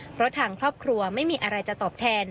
เพราะทางครอบครัวไม่มีอะไรจะตอบแทน